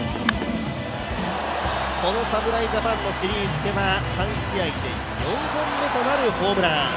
この侍ジャパンのシリーズでは３試合で４本目となるホームラン。